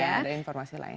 iya ada informasi lain